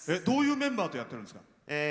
どういうメンバーとやってるんですか？